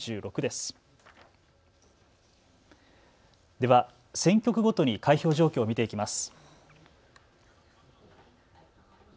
では選挙区ごとに開票状況を見ていきます。